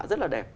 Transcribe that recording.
rất là đẹp